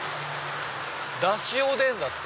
「だしおでん」だって！